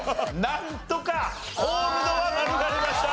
なんとかコールドは免れました。